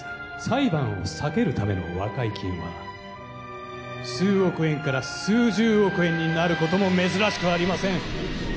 裁判を避けるための和解金は数億円から数十億円になることも珍しくありません